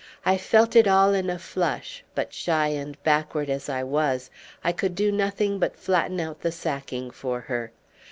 I felt it all in a flush, but shy and backward as I was, I could do nothing but flatten out the sacking for her.